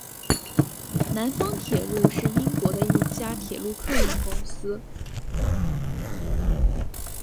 南方铁路是英国的一家铁路客运公司。